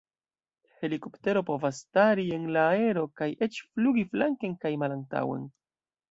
Helikoptero povas stari en la aero kaj eĉ flugi flanken kaj malantaŭen.